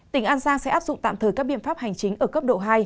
tỉnh an giang sẽ áp dụng tạm thời các biện pháp hành chính ở cấp độ hai